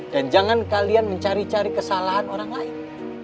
dan jangan kalian mencari cari kesalahan orang lain